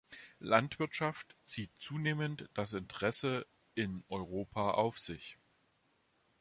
Landwirtschaft zieht zunehmend das Interesse in Europa auf sich.